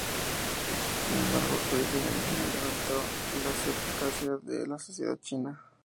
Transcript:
Sin embargo, su diseño original levantó la suspicacia de la sociedad china.